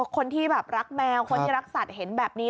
คนที่แบบรักแมวคนที่รักสัตว์เห็นแบบนี้